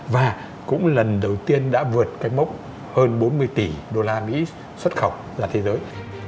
và cũng lần đầu tiên đã vượt mốc hơn bốn mươi tỷ usd xuất khẩu ra thế giới